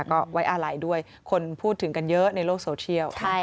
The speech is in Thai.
ก็ไว้อาลัยด้วยคนพูดถึงกันเยอะในโลกโซเชียล